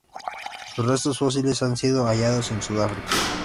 Sus restos fósiles han sido hallados en Sudáfrica.